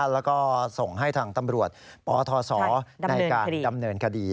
แล้วก็ส่งให้ทางตำรวจปทศในการดำเนินคดี